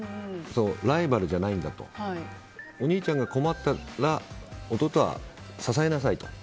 ライバルじゃないんだとお兄ちゃんが困ったら弟は、支えなさいと。